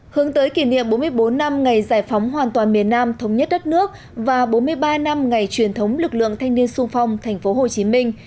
hướng tới kỷ niệm bốn mươi bốn năm ngày giải phóng hoàn toàn miền nam thống nhất đất nước và bốn mươi ba năm ngày truyền thống lực lượng thanh niên sung phong thành phố hồ chí minh